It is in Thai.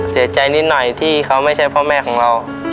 เสียใจนิดหน่อยที่เขาไม่ใช่พ่อแม่ของเรา